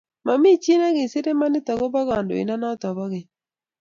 Mamii chii nekisir imanit akobo kandoindonoto bo keny